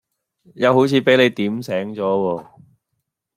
又好似俾你點醒左喎